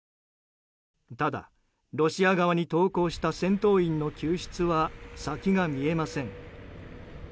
ただ、ロシア側に投降した戦闘員の救出は先が見えません。